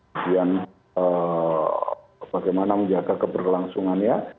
kemudian bagaimana menjaga keberlangsungannya